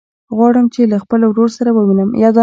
غواړم چې له خپل ورور سره ووينم.